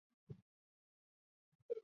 中国春秋时期齐国的大夫。